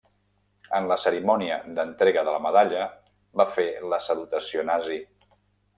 En la cerimònia d'entrega de la medalla va fer la salutació nazi.